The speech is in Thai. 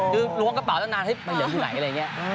คือล้วงกระเป๋าตั้งนานมาเหลืออยู่ไหนอะไรอย่างนี้